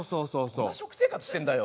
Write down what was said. どんな食生活してんだよ。